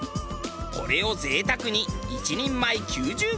これを贅沢に１人前９０グラム。